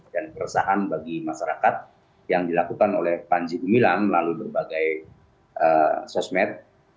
dan keresahan bagi masyarakat yang dilakukan oleh panji dumilang melalui berbagai sosmed